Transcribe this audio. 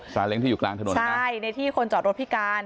เล้งที่อยู่กลางถนนใช่ในที่คนจอดรถพิการ